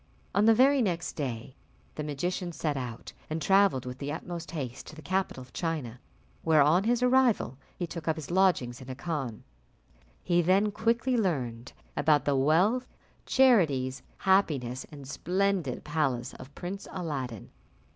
On the very next day, the magician set out and travelled with the utmost haste to the capital of China, where, on his arrival, he took up his lodgings in a khan. He then quickly learnt about the wealth, charities, happiness, and splendid palace of Prince Aladdin.